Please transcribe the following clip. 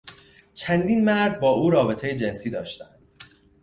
چندین مرد با او رابطهی جنسی داشتهاند.